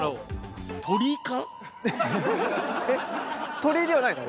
鳥居ではないの？